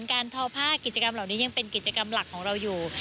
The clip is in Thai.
ทอผ้ากิจกรรมเหล่านี้ยังเป็นกิจกรรมหลักของเราอยู่